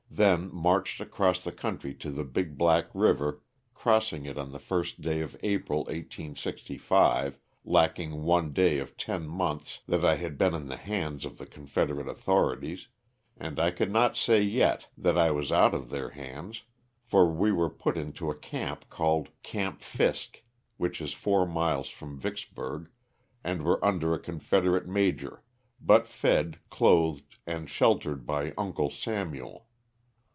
then marched across the country to the Big Black river, crossing it on the 1st day of April, 1865, lacking one day of ten months that I had been in the hands of the confederate authorities — and I could not say yet that I was out of their hands, for we were put into a camp called " Camp Fisk," which is four miles from Vicks burg, and were under a confederate major, but fed, clothed, and sheltered by "Uncle Samuel."